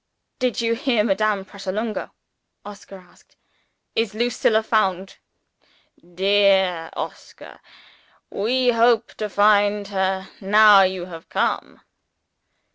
"Did you hear Madame Pratolungo?" Oscar asked. "Is Lucilla found?" "Dear Oscar, we hope to find her, now you have come."